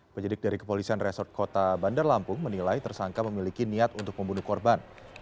penyidik dari kepolisian resort kota bandar lampung menilai tersangka memiliki niat untuk membunuh korban